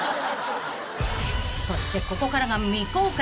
［そしてここからが未公開］